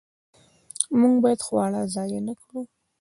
موږ باید خواړه ضایع نه کړو.